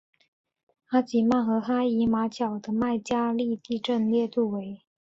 阿吉曼和哈伊马角的麦加利地震烈度为。